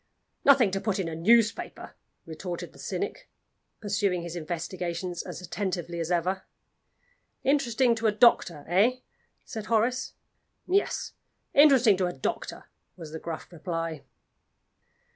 "Nothing to put in a newspaper," retorted the cynic, pursuing his investigations as attentively as ever. "Interesting to a doctor eh?" said Horace. "Yes. Interesting to a doctor," was the gruff reply.